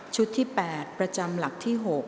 ที่๘ประจำหลักที่๖